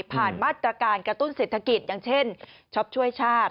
มาตรการกระตุ้นเศรษฐกิจอย่างเช่นช็อปช่วยชาติ